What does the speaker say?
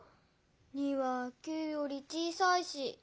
２は９よりちいさいし。